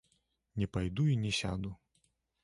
Не пайду і не сяду.